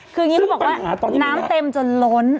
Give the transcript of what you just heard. คืออย่างนี้เขาบอกว่าน้ำเต็มจนล้น